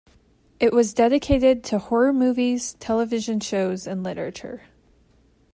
It was dedicated to horror movies, television shows and literature.